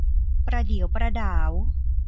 ประเดี๋ยวประด๋าว